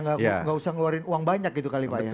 nggak usah ngeluarin uang banyak gitu kali pak ya